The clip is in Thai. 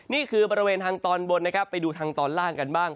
นี่คือบริเวณทางตอนบนนะครับไปดูทางตอนล่างกันบ้าง